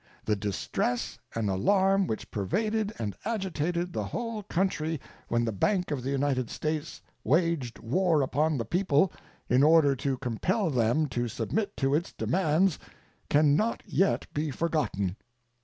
The distress and alarm which pervaded and agitated the whole country when the Bank of the United States waged war upon the people in order to compel them to submit to its demands can not yet be forgotten.